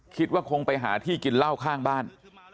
คิดว่าคงไปหาที่กินเหล้าข้างบ้าน